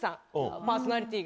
パーソナリティーが。